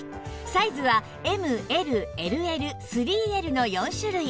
サイズは ＭＬＬＬ３Ｌ の４種類